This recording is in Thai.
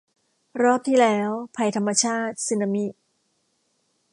รอบที่แล้ว ภัยธรรมชาติ สึนามิ